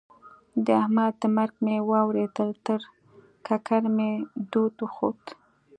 د احمد د مرګ مې واورېدل؛ تر ککرۍ مې دود وخوت.